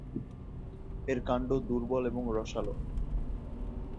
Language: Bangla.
এর কাণ্ড দুর্বল এবং রসালো।